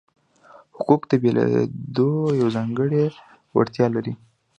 حقوق د بدلېدو یوه ځانګړې وړتیا لري.